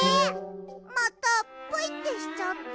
またプイってしちゃった。